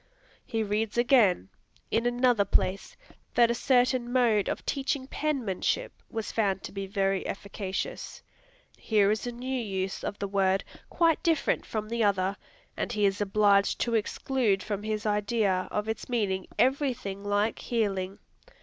He reads again, in another place, that a certain mode of teaching penmanship was found to be very "efficacious." Here is a new use of the word, quite different from the other, and he is obliged to exclude from his idea of its meaning every thing like "healing."